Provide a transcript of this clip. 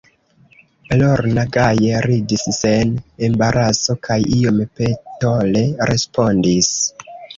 Lorna gaje ridis sen embaraso kaj iom petole respondis: